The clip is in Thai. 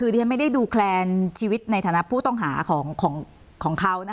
คือที่ฉันไม่ได้ดูแคลนชีวิตในฐานะผู้ต้องหาของเขา